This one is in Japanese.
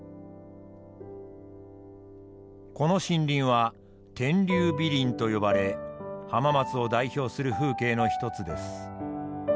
この森林は天竜美林と呼ばれ浜松を代表する風景の一つです。